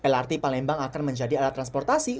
lrt palembang akan menjadi alat transportasi